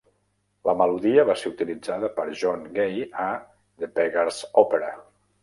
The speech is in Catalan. La melodia va ser utilitzada per John Gay a "The Beggar's Opera".